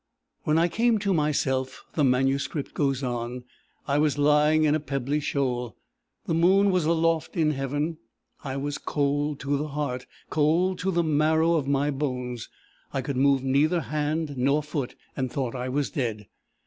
"When I came to myself," the manuscript goes on, "I was lying in a pebbly shoal. The moon was aloft in heaven. I was cold to the heart, cold to the marrow of my bones. I could move neither hand nor foot, and thought I was dead.